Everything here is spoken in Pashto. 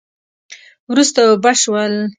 وروسته اوبه شول